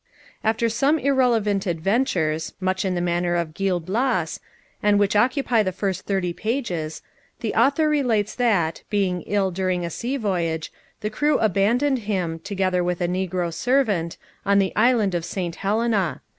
After some irrelevant adventures, much in the manner of Gil Blas, and which occupy the first thirty pages, the author relates that, being ill during a sea voyage, the crew abandoned him, together with a negro servant, on the island of St. Helena.